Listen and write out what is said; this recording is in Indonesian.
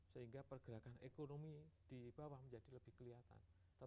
sehingga pergerakan ekonomi di bawah menjadi lebih kelihatan